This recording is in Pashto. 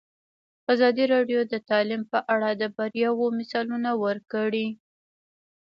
ازادي راډیو د تعلیم په اړه د بریاوو مثالونه ورکړي.